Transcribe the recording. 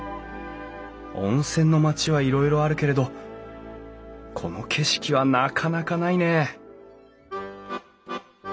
温泉の町はいろいろあるけれどこの景色はなかなかないねえ